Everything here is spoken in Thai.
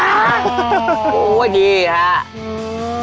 อ๋อพูดดีครับ